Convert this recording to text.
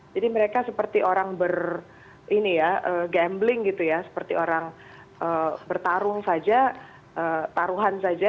jadi mereka seperti orang gambling gitu ya seperti orang bertarung saja taruhan saja